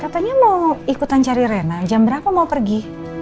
katanya mau ikutan cari rena jam berapa mau pergi